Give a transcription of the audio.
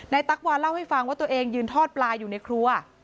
ตั๊กวาเล่าให้ฟังว่าตัวเองยืนทอดปลาอยู่ในครัว